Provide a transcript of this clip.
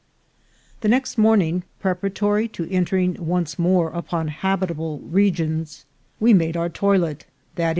The next morning, preparatory to entering once more upon habitable regions, we made our toilet ; i.